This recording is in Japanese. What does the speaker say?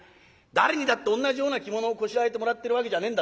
誰にだって同じような着物をこしらえてもらってるわけじゃねえんだぞ。